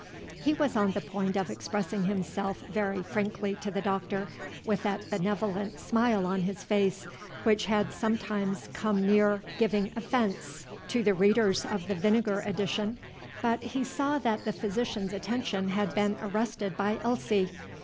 He was on the point of expressing himself very frankly to the Doctor, with that benevolent smile on his face which had sometimes come near giving offence to the readers of the "Vinegar" edition, but he saw that the physician's attention had been arrested by Elsie.